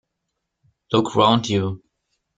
Look round you.